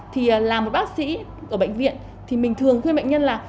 thì làm một bác sĩ ở bệnh viện thì mình thường khuyên bệnh nhân là